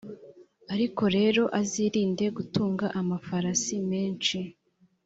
ariko rero, azirinde gutunga amafarasi menshi,